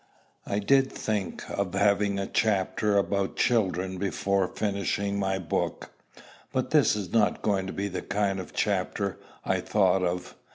I did think of having a chapter about children before finishing my book; but this is not going to be the kind of chapter I thought of.